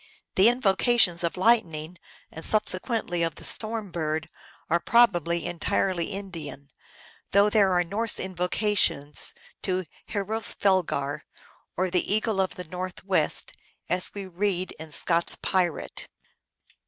The invocations of Lightning, and subsequently of the Storm Bird are probably en tirely Indian, though there are Norse invocations to Hroesvelgar, or the Eagle of the Northwest, as we read in Scott s Pirate.